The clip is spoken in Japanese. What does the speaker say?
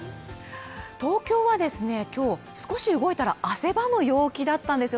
東京は今日、少し動いたら汗ばむ陽気だったんですよ。